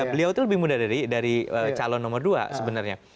beliau itu lebih muda dari calon nomor dua sebenarnya